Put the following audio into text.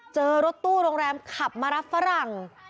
เจอรถตู้โรงแรมขับมารับฝรั่ง